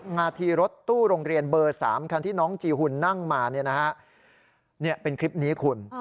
นาทีรถตู้โรงเรียนเบอร์๓คันที่น้องจีหุ่นนั่งมาเป็นคลิปนี้คุณ